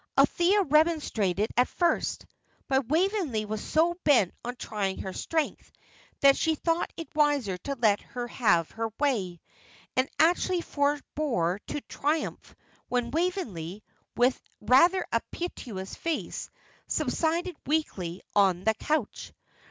Althea remonstrated at first; but Waveney was so bent on trying her strength, that she thought it wiser to let her have her way, and actually forbore to triumph when Waveney, with rather a piteous face, subsided weakly on the couch.